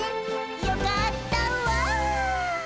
「よかったわ」